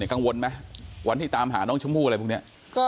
กังวลมั้ยเวลาตามหาน้องชมพู่อะไรพวกนี้